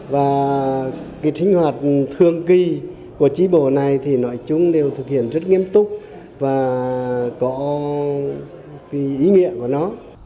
và cái sinh hoạt thường kỳ của trí bộ này thì nói chung đều thực hiện rất nghiêm túc và có ý nghĩa của nó